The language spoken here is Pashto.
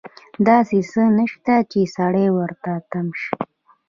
داسې څه نشته چې سړی ورته تم شي.